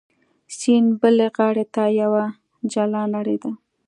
سیند بلې غاړې ته یوه جلا نړۍ ده.